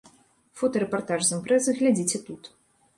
Фотарэпартаж з імпрэзы глядзіце тут.